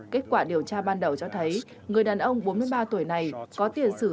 kết quả điều tra ban đầu cho thấy người đàn ông bốn mươi ba tuổi này có tiền sử